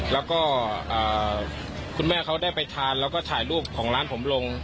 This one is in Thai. แล้วก็คุณแม่เขาได้ไปทานแล้วก็ถ่ายรูปของร้านผมลง